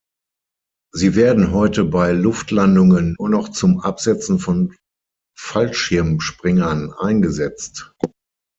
Sie werden heute bei Luftlandungen nur noch zum Absetzen von Fallschirmspringern eingesetzt.